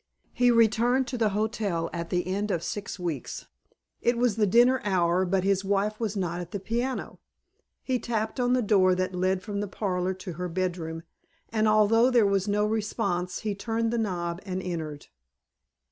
He returned to the hotel at the end of six weeks. It was the dinner hour but his wife was not at the piano. He tapped on the door that led from the parlor to her bedroom, and although there was no response he turned the knob and entered.